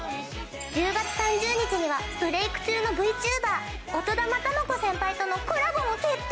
１０月３０日にはブレイク中のＶＴｕｂｅｒ音霊魂子先輩とのコラボも決定！